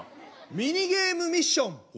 「ミニゲームミッション！